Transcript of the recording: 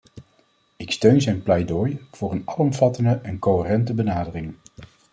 Ik steun zijn pleidooi voor een alomvattende en coherente benadering.